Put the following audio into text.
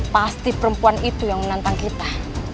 pasti perempuan itu yang menantang kita